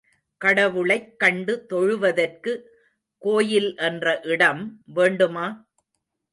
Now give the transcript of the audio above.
கடவுளைக் கண்டு தொழுவதற்கு கோயில் என்ற இடம் வேண்டுமா?